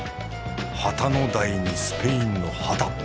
旗の台にスペインの旗。